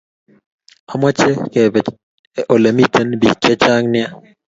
Amache kebe ole mi bik chechang nea